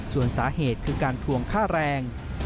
ส่วนสาเหตุคือการทวงค่าแรง